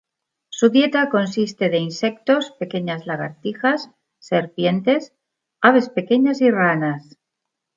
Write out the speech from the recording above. Su dieta consiste de insectos, pequeñas lagartijas, serpientes, aves pequeñas y ranas.